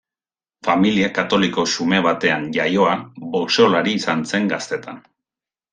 Familia katoliko xume batean jaioa, boxeolari izan zen gaztetan.